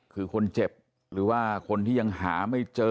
คือคนเจ็บหรือว่าคนที่ยังหาไม่เจอ